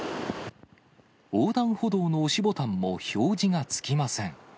横断歩道の押しボタンも表示がつきません。